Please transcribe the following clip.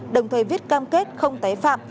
đồng thời viết cam kết không té phạm